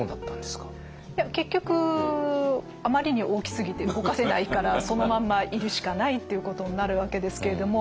結局あまりに大きすぎて動かせないからそのまんまいるしかないっていうことになるわけですけれども。